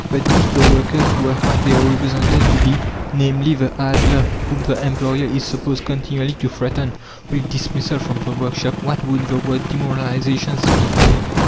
But if the workers were what they are represented to be namely, the idler whom the employer is supposed continually to threaten with dismissal from the workshop what would the word "demoralization" signify?